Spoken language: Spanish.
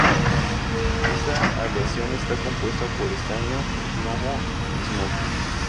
Esta aleación está compuesta por estaño, plomo y bismuto.